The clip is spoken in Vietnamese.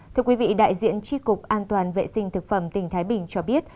thưa quý vị đại diện tri cục an toàn vệ sinh thực phẩm tỉnh thái bình cho biết